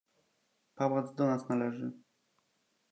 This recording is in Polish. "Pałac do nas należy!"